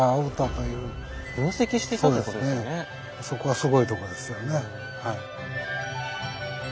そこがすごいとこですよねはい。